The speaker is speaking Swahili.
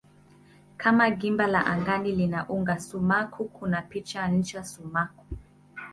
Kama gimba la angani lina uga sumaku kuna pia ncha sumaku.